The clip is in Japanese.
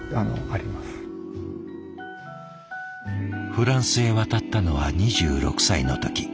フランスへ渡ったのは２６歳の時。